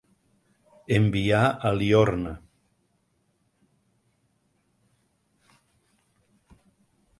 Enviar a Liorna.